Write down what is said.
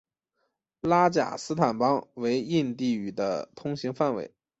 拉贾斯坦邦为印地语的通行范围。